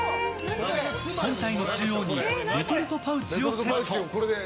本体の中央にレトルトパウチをセット。